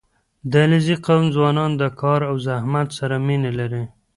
• د علیزي قوم ځوانان د کار او زحمت سره مینه لري.